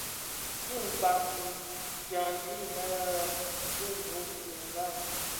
Bi kpagi dyandi innë boumbot dhi Mbam.